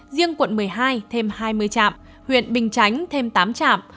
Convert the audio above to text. riêng quận một mươi hai thêm hai mươi trạm huyện bình chánh thêm tám trạm